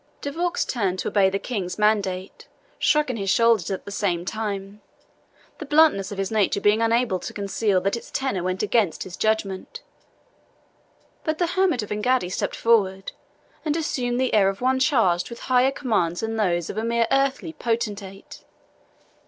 De Vaux turned to obey the King's mandate, shrugging his shoulders at the same time, the bluntness of his nature being unable to conceal that its tenor went against his judgment. But the hermit of Engaddi stepped forward, and assumed the air of one charged with higher commands than those of a mere earthly potentate.